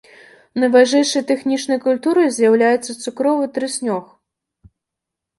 Найважнейшай тэхнічнай культурай з'яўляецца цукровы трыснёг.